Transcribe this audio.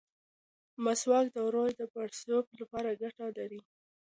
مسواک د ووریو د پړسوب لپاره ګټه لري.